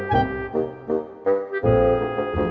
senyum apa sih kum